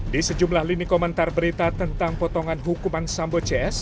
di sejumlah lini komentar berita tentang potongan hukuman sambo cs